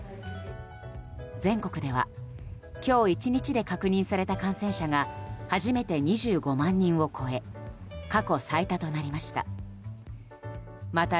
全国では今日１日で確認された感染者が始めて２５万人を超え過去最多となりました。